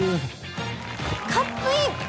カップイン！